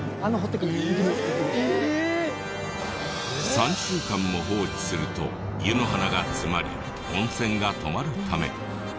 ３週間も放置すると湯の花が詰まり温泉が止まるため。